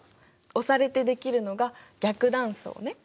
押されてできるのが逆断層ね。